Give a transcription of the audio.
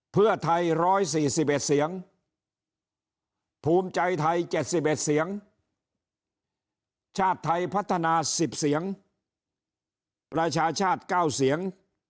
เพื่อไทย๑๔๑เสียงภูมิใจไทย๗๑เสียงชาติไทยพัฒนา๑๐เสียงประชาชาติ๙เสียง